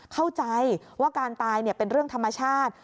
เข้าใจว่าการตายเป็นเรื่องธรรมชาติ